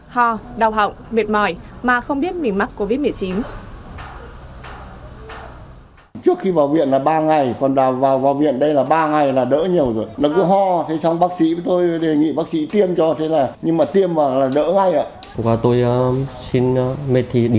ho đau họng mệt mỏi mà không biết mình mắc covid một mươi chín